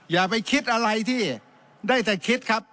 อย่าไปคิดอะไรที่ได้แต่คิดครับ